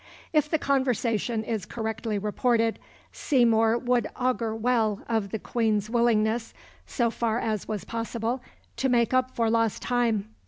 If the conversation is correctly reported, Seymour would augur well of the Queen's willingness, so far as was possible, to make up for lost time.